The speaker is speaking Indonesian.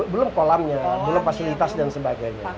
belum kolamnya belum fasilitas dan sebagainya